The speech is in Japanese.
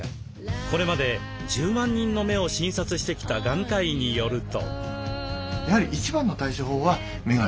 これまで１０万人の目を診察してきた眼科医によると。